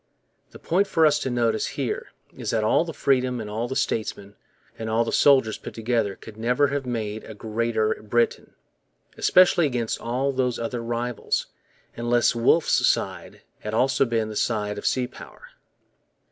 The point for us to notice here is that all the freedom and all the statesmen and all the soldiers put together could never have made a Greater Britain, especially against all those other rivals, unless Wolfe's side had also been the side of sea power.